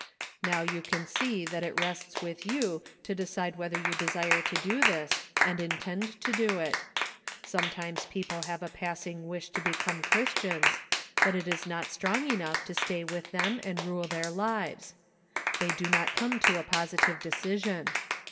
Now you can see that it rests with you to decide whether you desire to do this, and intend to do it. Sometimes people have a passing wish to become Christians, but it is not strong enough to stay with them and rule their lives. They do not come to a posi tive decision.